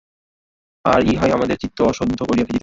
আর ইহাই আমাদের চিত্ত অশুদ্ধ করিয়া ফেলিতেছে।